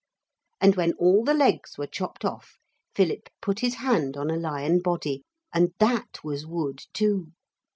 And when all the legs were chopped off, Philip put his hand on a lion body, and that was wood too.